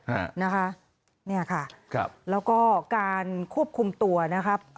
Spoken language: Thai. อ่านะคะเนี่ยค่ะครับแล้วก็การควบคุมตัวนะครับ